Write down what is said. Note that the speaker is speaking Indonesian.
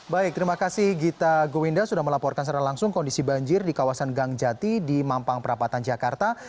baik terima kasih gita gowinda sudah melaporkan secara langsung kondisi banjir di kawasan gangjati di mampang perapatan jakarta